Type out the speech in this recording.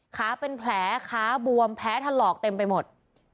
ขาเป็นแผลขาบวมแพ้ถลอกเต็มไปหมด